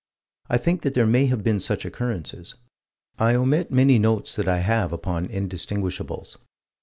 I think that there may have been such occurrences. I omit many notes that I have upon indistinguishables.